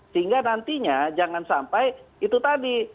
sehingga nantinya jangan sampai itu tadi